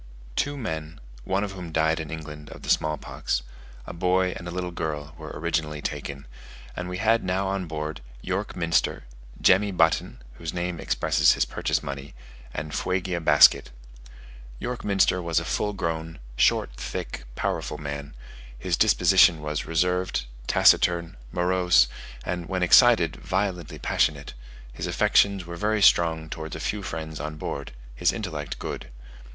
Two men, one of whom died in England of the small pox, a boy and a little girl, were originally taken; and we had now on board, York Minster, Jemmy Button (whose name expresses his purchase money), and Fuegia Basket. York Minster was a full grown, short, thick, powerful man: his disposition was reserved, taciturn, morose, and when excited violently passionate; his affections were very strong towards a few friends on board; his intellect good.